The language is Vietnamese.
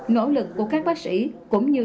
nỗ lực của các bác sĩ cũng như